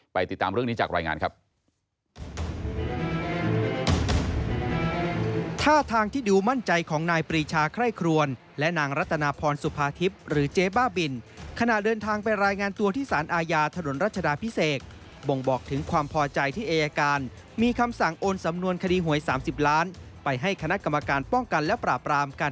ติดตามเรื่องนี้จากรายงานครับ